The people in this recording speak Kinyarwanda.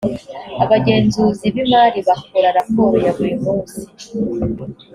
abagenzuzi b imari bakora raporo ya buri munsi